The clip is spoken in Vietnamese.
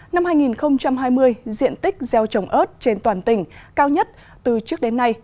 năm hai nghìn hai mươi diện tích gieo trồng ớt trên toàn tỉnh cao nhất từ trước đến nay